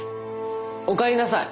おかえりなさい。